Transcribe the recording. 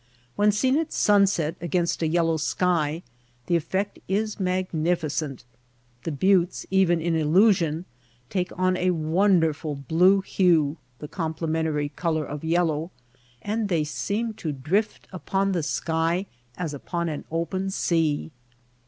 When seen at sunset against a yellow sky the effect is magnificent. The buttes, even in illusion, take on a wonderful blue hue (the complementary color of yellow), and they seem to drift upon the sky as upon an open sea.